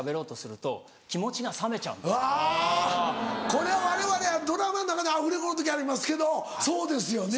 これはわれわれはドラマの中でアフレコの時ありますけどそうですよね。